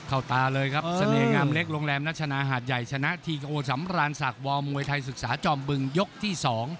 ตาเลยครับเสน่หงามเล็กโรงแรมนัชนาหาดใหญ่ชนะทีโอสำราญศักดิวอร์มวยไทยศึกษาจอมบึงยกที่๒